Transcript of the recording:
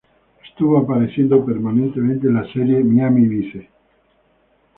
Estuvo apareciendo permanentemente en la serie "Miami Vice".